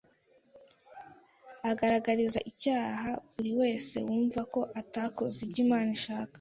agaragariza icyaha buri wese wumva ko atakoze ibyo Imana ishaka